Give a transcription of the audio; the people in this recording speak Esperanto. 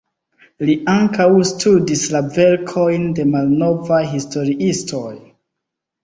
Li ankaŭ studis la verkojn de malnovaj historiistoj.